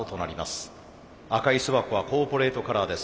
赤い巣箱はコーポレートカラーです。